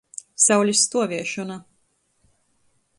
Saulis stuoviešona.